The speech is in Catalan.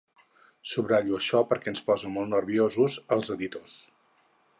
Subratllo això perquè ens posa molt nerviosos, als editors.